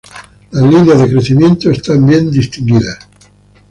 Las líneas de crecimiento están bien distinguidas.